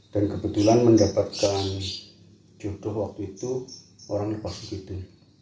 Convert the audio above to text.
dan kebetulan mendapatkan jodoh waktu itu orangnya pasti gitu